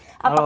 apa kabar put